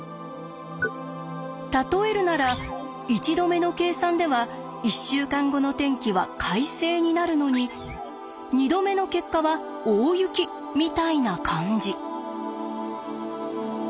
例えるなら１度目の計算では１週間後の天気は快晴になるのに２度目の結果は大雪みたいな感じ。